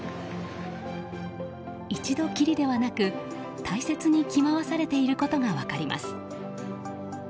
一度きりではなく大切に着回されていることが分かります。